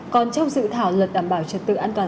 còn trong dự thảo luật đảm bảo trật tự an toàn